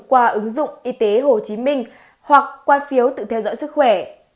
qua ứng dụng y tế hồ chí minh hoặc qua phiếu tự theo dõi sức khỏe